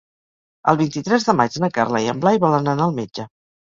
El vint-i-tres de maig na Carla i en Blai volen anar al metge.